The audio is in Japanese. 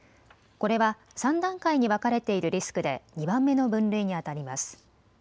これは３段階に分かれているリスクで２番目の分類にあたります。